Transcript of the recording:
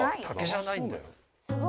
竹じゃないんだよ